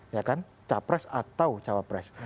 ya kan capres atau cawapres